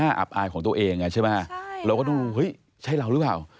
โอ้โหบอกดูแล้วมาดูอีกทีแล้วไม่ใช่แล้ว